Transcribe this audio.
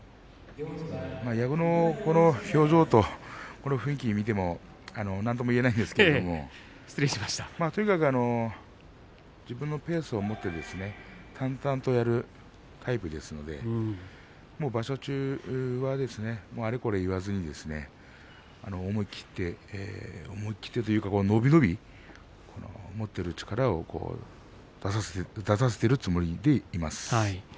矢後の表情と雰囲気見ても何とも言えないんですけれどもとにかく自分のペースを持ってですね淡々とやるタイプですので場所中はですねあれこれ言わずにですね思い切って思い切ってというか伸び伸び持っている力を出させているつもりでいます。